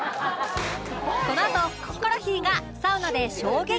このあとヒコロヒーがサウナで衝撃体験！